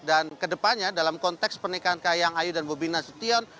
dan kedepannya dalam konteks pernikahan kahyang ayu dan bobi nasution